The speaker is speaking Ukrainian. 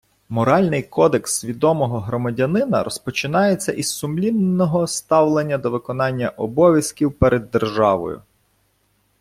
Моральний кодекс свідомого громадянина розпочинається із сумлінного ставлення до виконання обов'язків перед державою